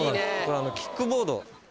これキックボード。